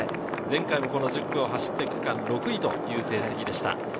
前回も１０区を走って区間６位という成績でした。